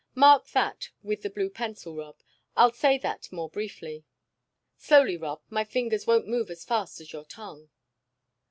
"Mark that with the blue pencil, Rob; I'll say that more briefly." "Slowly, Rob; my fingers won't move as fast as your tongue."